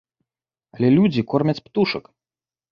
Але людзі кормяць птушак.